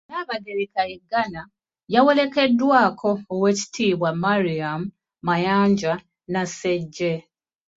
Nnaabagereka e Ghana yawerekeddwako oweekitiibwa Mariam Mayanja Nassejje